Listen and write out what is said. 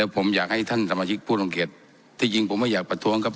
ผมอยากให้ท่านสมาชิกผู้ตรงเขตที่ยิงผมไม่อยากประท้วงครับ